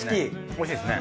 おいしいですね。